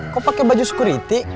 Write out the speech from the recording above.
kok pakai baju security